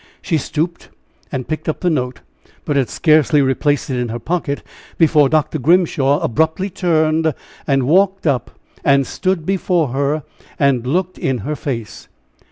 She stooped and picked up the note, but had scarcely replaced it in her pocket before Dr. Grimshaw abruptly turned, walked up and stood before her and looked in her face.